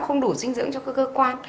không đủ dinh dưỡng cho cơ quan